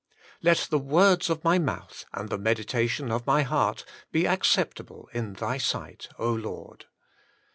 Let the words of my mouth and the meditation of my heart be accept able in Thy sight, O Lord."